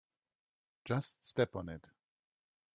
Just step on it.